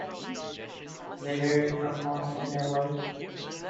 They vary from blonde to near-white.